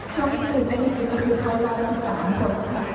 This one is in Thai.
ช่องยิ่งอื่นก็คือเข้ารอดรองจำผมค่ะ